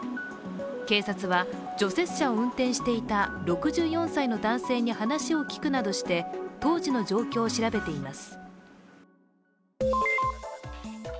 警察は除雪車を運転していた６４歳の男性に話を聞くなどして当時の状況を調べています。